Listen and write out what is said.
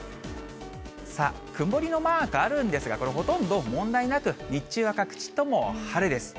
さあ、曇りのマークあるんですが、これ、ほとんど問題なく、日中は各地とも晴れです。